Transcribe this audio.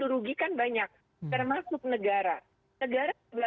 rugi kan banyak termasuk negara